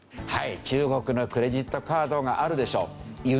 中国のクレジットカードがあるでしょ？